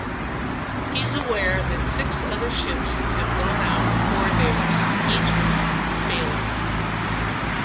He's aware that six other ships have gone out before theirs, each one failing.